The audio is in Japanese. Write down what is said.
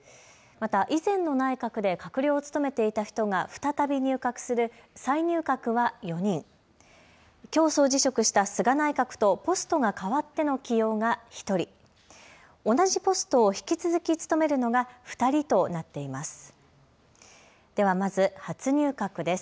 また以前の内閣で閣僚を務めていた人が再び入閣する、再入閣は４人、きょう総辞職した菅内閣とポストがかわっての起用が１人、同じポストを引き続き務めるのが２人となっています。